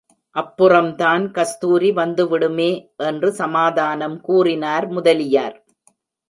அப்புறம்தான் கஸ்தூரி வந்துவிடுமே! என்று சமாதானம் கூறினார் முதலியார்.